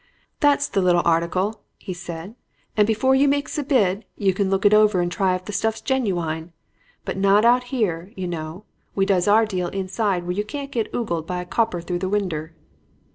"'That's the little article,' said he, 'and before you makes a bid, you can look it over and try if the stuff's genu wine. But not out here, you know. We does our deal inside where you can't get ogled by a copper through the winder.'